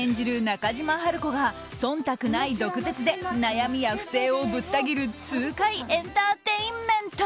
中島ハルコが忖度ない毒舌で悩みや不正をぶった斬る痛快エンターテインメント。